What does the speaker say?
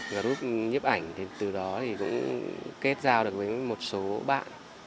group nhiếp ảnh từ đó cũng kết giao được với một số bạn